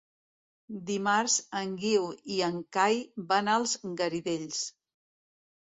Dimarts en Guiu i en Cai van als Garidells.